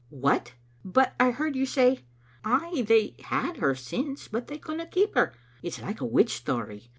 " What ! But I heard you say "" Ay, they had her aince, but they couldna keep her. It's like a witch story.